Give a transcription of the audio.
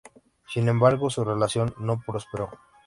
Sin embargo, su relación no prosperó.